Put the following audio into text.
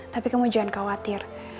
tapi kamu jangan khawatir